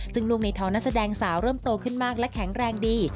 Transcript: ซึ่งลูกในท้องนักแสดงสาวเริ่มโตขึ้นมากและแข็งแรงดี